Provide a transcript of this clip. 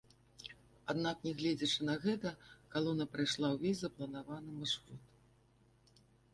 Аднак нягледзячы на гэта калона прайшла ўвесь запланаваны маршрут.